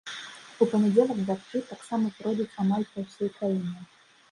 У панядзелак дажджы таксама пройдуць амаль па ўсёй краіне.